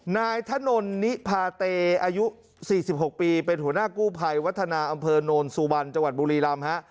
นายถนนนิพาเตอายุ๔๖ปีเป็นหัวหน้ากู้ภัยวัฒนาอำเภอโนนสุวรรณจังหวัดบุรีรำฮะ